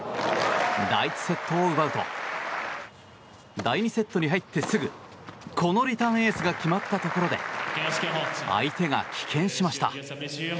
第１セットを奪うと第２セットに入ってすぐこのリターンエースが決まったところで相手が棄権しました。